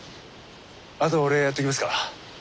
あとは俺がやっときますから。